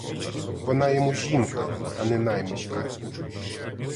Вона йому жінка, а не наймичка.